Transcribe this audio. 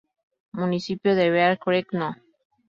Municipio de Bear Creek No.